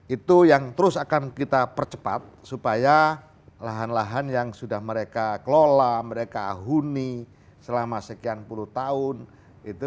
itu yang terus akan kita percepat supaya lahan lahan yang sudah mereka kelola mereka huni selama sekian puluh tahun itu